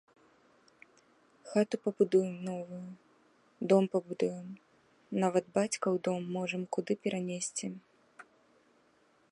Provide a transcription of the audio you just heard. Хату пабудуем новую, дом пабудуем, нават бацькаў дом можам куды перанесці.